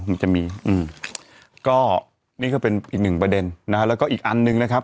ผมจะมีอืมก็นี่ก็เป็นอีกหนึ่งประเด็นนะฮะแล้วก็อีกอันหนึ่งนะครับ